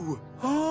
ああ！